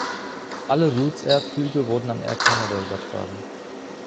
Alle Roots Air-Flüge wurden an Air Canada übertragen.